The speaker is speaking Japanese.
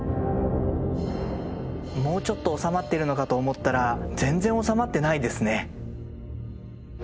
もうちょっと収まってるのかと思ったら全然収まってないですね。